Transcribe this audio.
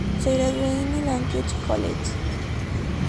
Se graduó en el Antioch College.